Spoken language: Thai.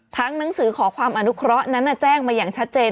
หนังสือขอความอนุเคราะห์นั้นแจ้งมาอย่างชัดเจน